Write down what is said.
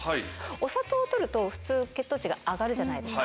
お砂糖を取ると普通血糖値が上がるじゃないですか。